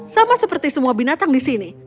sama seperti semua binatang di sini